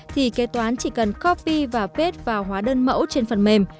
thì kế toán chỉ cần copy và pet vào hóa đơn mẫu trên phần mềm